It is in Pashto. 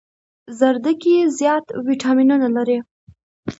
زردکي زيات ويټامينونه لري